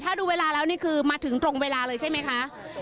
ถ้าดูเวลาแล้วนี่คือมาถึงตรงเวลาเลยใช่ไหมคะ